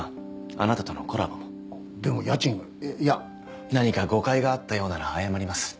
あなたとのコラボもでも家賃がいや何か誤解があったようなら謝ります